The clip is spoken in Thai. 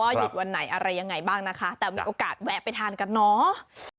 หยุดวันไหนอะไรยังไงบ้างนะคะแต่มีโอกาสแวะไปทานกันเนาะ